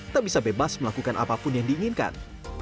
tak bisa bebas melakukan apapun yang diinginkan